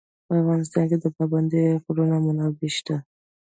په افغانستان کې د پابندی غرونه منابع شته.